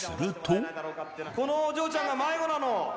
このお嬢ちゃんが迷子なの。